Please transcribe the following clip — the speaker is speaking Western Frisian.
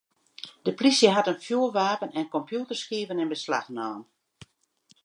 De plysje hat in fjoerwapen en kompjûterskiven yn beslach naam.